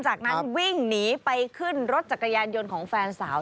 จากนั้นวิ่งหนีไปขึ้นรถจักรยานยนต์ของแฟนสาว